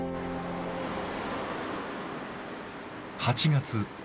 ８月。